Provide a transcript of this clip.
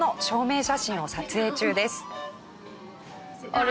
あれ？